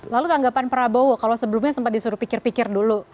lalu tanggapan prabowo kalau sebelumnya sempat disuruh pikir pikir dulu